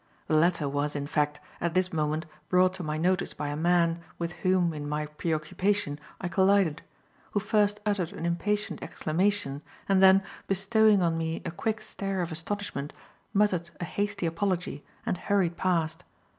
The latter was, in fact, at this moment brought to my notice by a man, with whom, in my preoccupation, I collided; who first uttered an impatient exclamation and then, bestowing on me a quick stare of astonishment, muttered a hasty apology and hurried past.